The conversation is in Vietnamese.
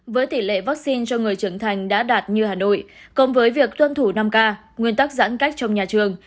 với tỷ lệ vaccine cho người trưởng thành đã đạt như hà nội cộng với việc tuân thủ năm k nguyên tắc giãn cách trong nhà trường